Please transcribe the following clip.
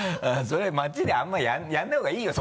それ街であんまりやらない方がいいよ